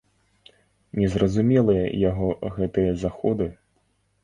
Незразумелыя яго гэтыя заходы.